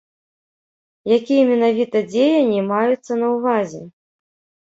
Якія менавіта дзеянні маюцца на ўвазе?